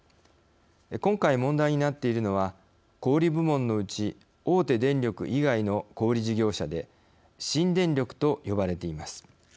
今回、問題になっているのは小売部門のうち大手電力以外の小売事業者で新電力と呼ばれています。